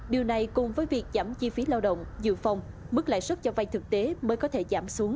điều này cùng với việc giảm chi phí lao động dự phòng mức lãi suất cho vay thực tế mới có thể giảm xuống